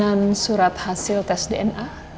dan surat hasil tes dna